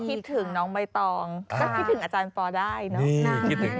คิดถึงน้องใบตองคิดถึงอาจารย์ลฟ้าได้ไหม